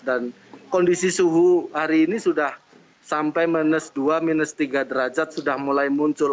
dan kondisi suhu hari ini sudah sampai minus dua minus tiga derajat sudah mulai muncul